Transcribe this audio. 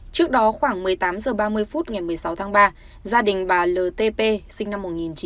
trước đó khoảng một mươi tám giờ ba mươi phút ngày một mươi sáu tháng ba gia đình bà ltp sinh năm một nghìn chín trăm bảy mươi sáu